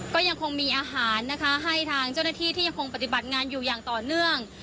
ก็ยังคงมีอาหารนะคะให้ทางเจ้าหน้าที่ที่ยังคงปฏิบัติงานอยู่อย่างต่อเนื่อง